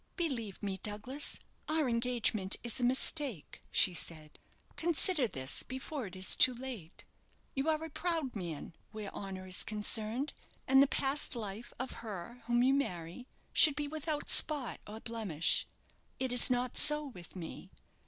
"Believe me, Douglas, our engagement is a mistake," she said. "Consider this before it is too late. You are a proud man where honour is concerned, and the past life of her whom you marry should be without spot or blemish. It is not so with me.